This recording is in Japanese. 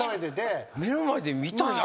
目の前で見たんや。